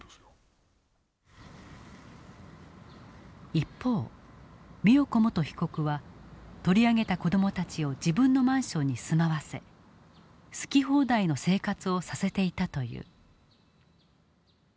一方美代子元被告は取り上げた子どもたちを自分のマンションに住まわせ好き放題の生活をさせていたという。